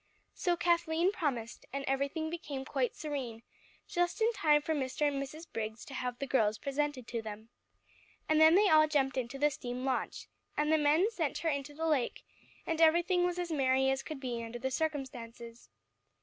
So Kathleen promised, and everything became quite serene, just in time for Mr. and Mrs. Briggs to have the girls presented to them. And then they all jumped into the steam launch, and the men sent her into the lake, and everything was as merry as could be under the circumstances.